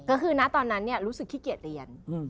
ก็คือนะตอนนั้นรู้สึกขี้เกียจเรียน